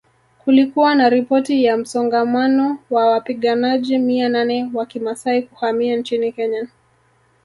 Kulikuwa na ripoti ya msongamano wa wapiganaji mia nane wa Kimasai kuhamia nchini Kenya